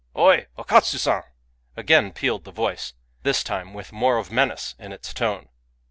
" Oi / O Katsu San !" again pealed the voice, — this time with more of menace in its tone.